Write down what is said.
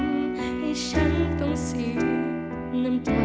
ให้ฉันต้องเสียน้ำใจ